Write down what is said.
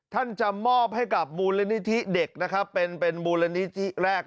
ท่านจะมอบให้กับมูลนิธิเด็กนะครับเป็นมูลนิธิแรก